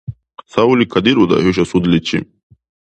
Савли кадиръуда хӀуша судличи.